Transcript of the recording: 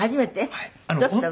どうしたの？